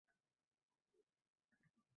Biz hech birovning tazyiqisiz o'qiganmiz